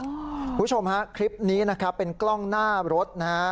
คุณผู้ชมครับคลิปนี้เป็นกล้องหน้ารถ